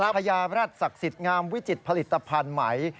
พญาแร็ดศักดิ์สิทธิ์งามวิจิตผลิตภัณฑ์ใหม่